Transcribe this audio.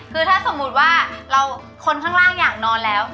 คือถ้าสมมุติว่าคนข้างล่างอยากนอนแล้ว